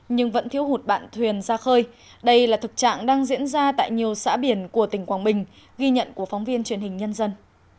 nhưng vẫn thiếu hụt bạn thuyền ra khơi đây là thực trạng đang diễn ra tại nhiều xã biển của tỉnh quảng bình ghi nhận của phóng viên truyền hình nhân dân